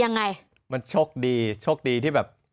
มันขอบรรยีโชคดีที่แบบ